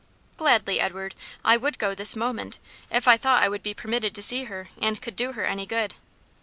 "Gladly, Edward! I would go this moment, if I thought I would be permitted to see her, and could do her any good."